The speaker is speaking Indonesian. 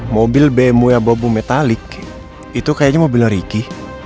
mobil bmw yang bawa bumetalik itu kayaknya mobilnya ricky